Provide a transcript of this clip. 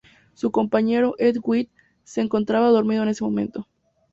Su compañero, Ed White, se encontraba dormido en ese momento.